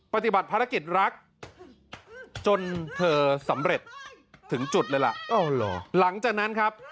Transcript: ปฏิบัติภารกิจรัก